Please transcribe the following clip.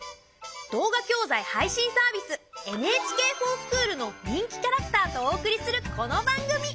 動画教材配信サービス「ＮＨＫｆｏｒＳｃｈｏｏｌ」の人気キャラクターとお送りするこの番組。